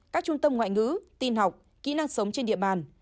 các trung tâm ngoại ngữ tin học kỹ năng sống trên địa bàn